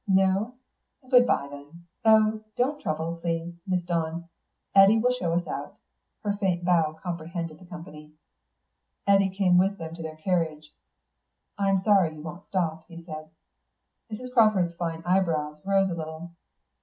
"No? Goodbye then. Oh, don't trouble, please, Miss Dawn; Eddy will show us out." Her faint bow comprehended the company. Eddy came with them to their carriage. "I'm sorry you won't stop," he said. Mrs. Crawford's fine eyebrows rose a little.